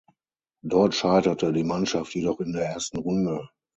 Dort scheiterte die Mannschaft jedoch in der ersten Runde.